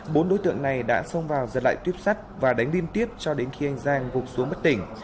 bốn đối tượng này đã xông vào giật lại tuyếp sắt và đánh liên tiếp cho đến khi anh giang gục xuống bất tỉnh